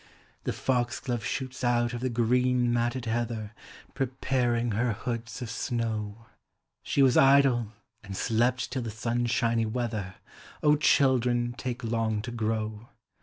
The foxglove shoots out of the green matted heather. Preparing her hoods of snow ; She was idle, and slept till the sunshiny weather: O, children take long to grow.